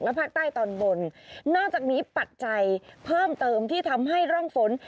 ภาคใต้ตอนบนนอกจากนี้ปัจจัยเพิ่มเติมที่ทำให้ร่องฝน